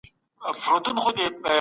هغه څېړونکی چي پوهه لري بریالی دی.